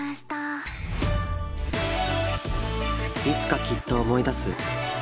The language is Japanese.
いつかきっと思い出す。